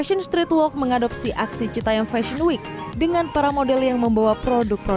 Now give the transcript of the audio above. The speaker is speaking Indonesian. insya allah semoga lancar